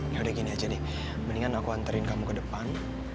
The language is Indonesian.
ya udah gini aja deh mendingan aku antarin kamu ke depan